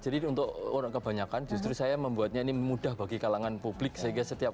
jadi untuk orang kebanyakan justru saya membuatnya ini mudah bagi kalangan publik sehingga setiap